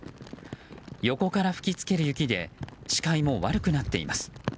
横から吹き付ける雪で視界も悪くなっています。